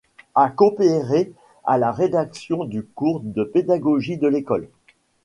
A coopéré à la rédaction du cours de pédagogie de l'école.